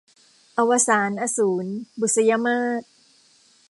อวสานอสูร - บุษยมาส